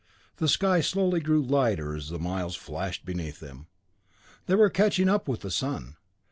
The sky slowly grew lighter as the miles flashed beneath them. They were catching up with the sun.